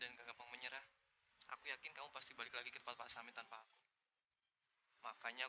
sampai jumpa di video selanjutnya